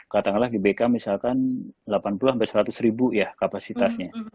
katakanlah gbk misalkan delapan puluh sampai seratus ribu ya kapasitasnya